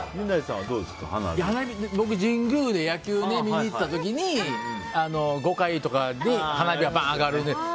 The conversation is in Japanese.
僕、神宮で野球を見に行った時に５回とか花火が上がるのを。